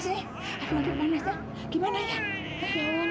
telepon fnd aja ya